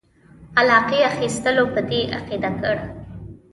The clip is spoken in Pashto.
علاقې اخیستلو په دې عقیده کړ.